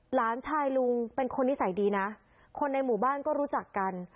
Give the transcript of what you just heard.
หลานชายลุงเป็นคนนิสัยดีนะคนในหมู่บ้านก็รู้จักกัน